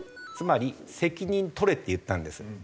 つまり責任取れって言ったんです。